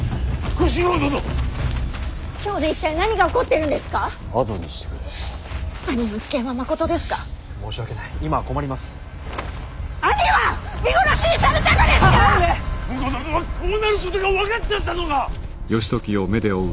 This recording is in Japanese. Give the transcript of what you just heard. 婿殿はこうなることが分かっておったのか！